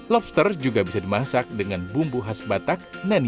lobster juga bisa dimasak dengan bumbu khas batak